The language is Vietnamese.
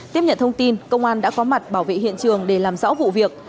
tiếp nhận thông tin công an đã có mặt bảo vệ hiện trường để làm rõ vụ việc